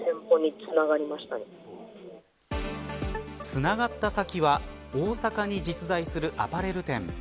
つながった先は大阪に実在するアパレル店。